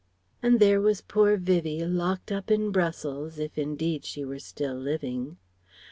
And there was poor Vivie, locked up in Brussels, if indeed she were still living.